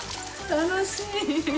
楽しい。